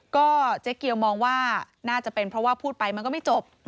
ก็เจ๊เกียวมองว่าน่าจะเป็นเพราะว่าพูดไปมันก็ไม่จบ